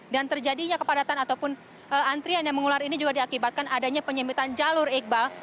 dan terjadinya kepadatan ataupun antrian yang mengular ini juga diakibatkan adanya penyembitan jalur iqbal